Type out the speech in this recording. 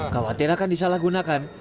kauatir akan disalahgunakan